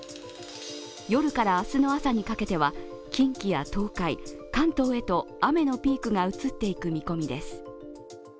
夜から明日の朝にかけては近畿や東海、関東へと雨のピークが移っていく見込みです。